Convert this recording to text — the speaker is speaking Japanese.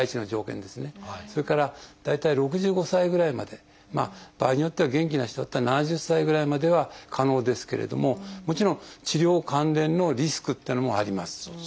それから大体６５歳ぐらいまで場合によっては元気な人だったら７０歳ぐらいまでは可能ですけれどももちろん治療関連のリスクっていうのもあります。